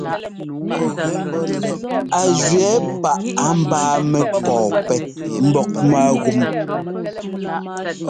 Á jʉɛ̌ paʼ á ḿbáamɛ́ pɔ̂pɛ́ mbɔ́k mágúm.